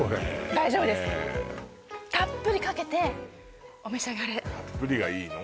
大丈夫ですたっぷりかけてお召し上がれたっぷりがいいの？